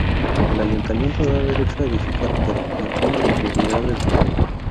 El Ayuntamiento da derecho a edificar, pero mantiene la propiedad del suelo.